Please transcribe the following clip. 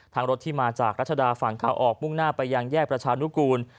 รถที่มาจากรัชดาฝั่งขาออกมุ่งหน้าไปยังแยกประชานุกูล